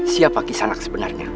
siapa kisanak sebenarnya